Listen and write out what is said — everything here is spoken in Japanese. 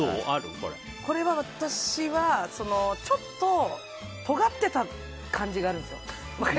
これは私はちょっととがってた感じがあるんですね。